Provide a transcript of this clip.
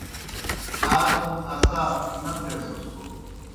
آ کوْم اسا نہ تھیسَس بوْ